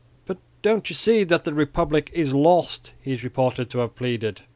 "But don't you see that the Republic is lost," he is reported to have pleaded.